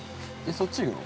◆そっち行くの？